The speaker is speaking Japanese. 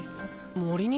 森に？